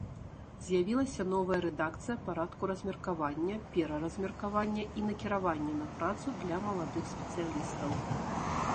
З'явілася новая рэдакцыя парадку размеркавання, пераразмеркавання і накіравання на працу для маладых спецыялістаў.